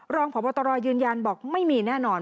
รองพบตรยืนยันบอกไม่มีแน่นอน